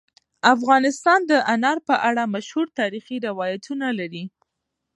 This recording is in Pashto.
افغانستان د انار په اړه مشهور تاریخی روایتونه لري.